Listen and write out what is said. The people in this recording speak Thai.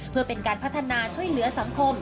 เพื่อเป็นการพัฒนาช่วยเหลือสังคม